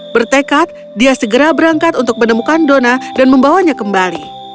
bertekad dia segera berangkat untuk menemukan dona dan membawanya kembali